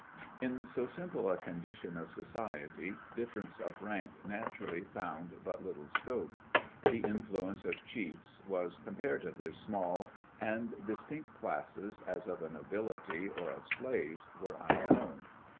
In so simple a condition of society difference of rank naturally found but little scope. The influence of chiefs was comparatively small, and distinct classes, as of a nobility or of slaves, were unknown.